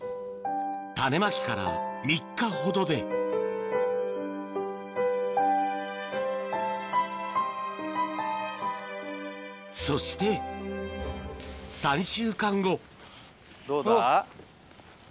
種まきから３日ほどでそして３週間後どうだ？